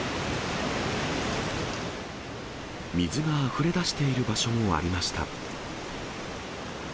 水があふれ出している場所もありました。